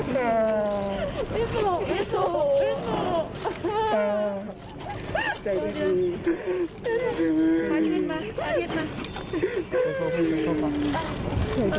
มาต่อลาเลยนะ